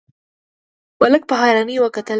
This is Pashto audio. ملک په حيرانۍ ور وکتل: